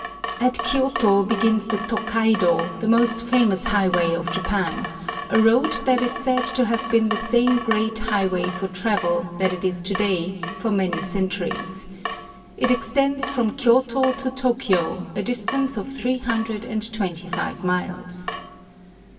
At Kioto begins the Tokaido, the most famous highway of Japan, a road that is said to have been the same great highway of travel, that it is to day, for many centuries. It extends from Kioto to Tokio, a distance of three hundred and twenty five miles.